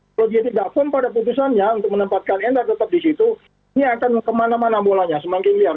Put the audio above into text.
kalau dia tidak firm pada putusannya untuk menempatkan endar tetap di situ ini akan kemana mana bolanya semakin liar